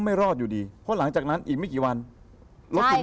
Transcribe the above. มันหยุดเข้ามาได้ยังไหม